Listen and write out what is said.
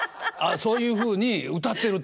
そういうふうに歌ってると。